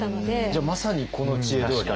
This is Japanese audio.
じゃあまさにこの知恵どおり。